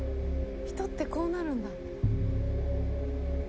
人ってこうなるんだ」